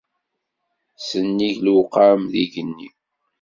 Sennig lewqam d igenni.